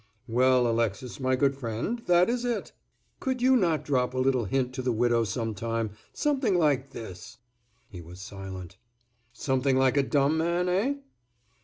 "Well, Alexis, my good friend, that is it. Could you not drop a little hint to the widow some time? Something like this——" he was silent. "Something like a dumb man, eh?"